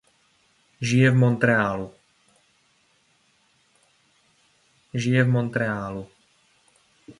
Žije v Montrealu.